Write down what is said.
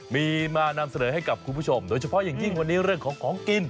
มีมานำเสนอให้กับคุณผู้ชมโดยเฉพาะอย่างยิ่งวันนี้เรื่องของของกิน